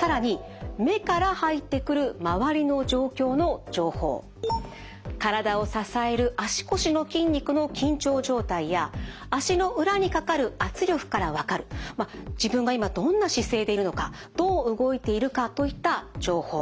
更に目から入ってくる周りの状況の情報体を支える足腰の筋肉の緊張状態や足の裏にかかる圧力から分かる自分が今どんな姿勢でいるのかどう動いているかといった情報。